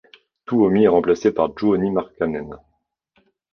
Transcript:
Tuomi est remplacé par Jouni Markkanen.